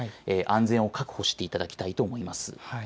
安全を確保していただきたいと思います。